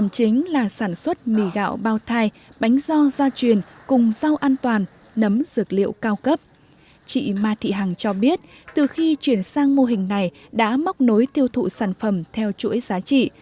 chị ma thị hằng cho biết từ khi chuyển sang mô hình này đã móc nối tiêu thụ sản phẩm theo chuỗi giá trị